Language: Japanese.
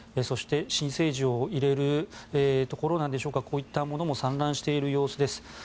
そして新生児を入れるところなんでしょうかこういったものも散乱している様子です。